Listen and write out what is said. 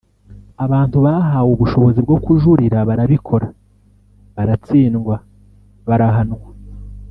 Abantu bahawe ubushobozi bwo kujurira barabikora baratsindwa barahanwa